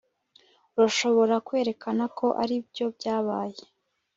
urashobora kwerekana ko aribyo byabaye